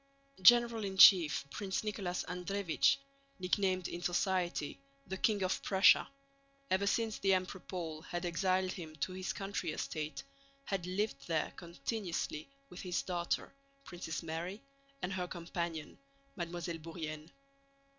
General in Chief Prince Nicholas Andréevich (nicknamed in society, "the King of Prussia") ever since the Emperor Paul had exiled him to his country estate had lived there continuously with his daughter, Princess Mary, and her companion, Mademoiselle Bourienne.